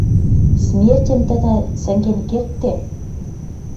Смертьӹм тӹдӹ сӹнген кердде?